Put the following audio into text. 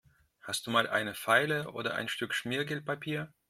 Hast du mal eine Feile oder ein Stück Schmirgelpapier?